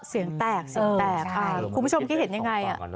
เสียงแตกเสียงแตกคุณผู้ชมคิดเห็นยังไง